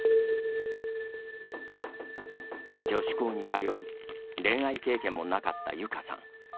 女子校に通い恋愛経験もなかったゆかさん。